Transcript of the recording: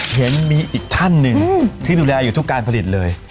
เห็นมีอีกท่านหนึ่งที่ดูแลอยู่ทุกการผลิตเลย